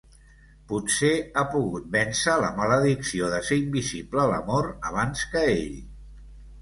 Potser ha pogut vèncer la maledicció de ser invisible a l'amor abans que ell.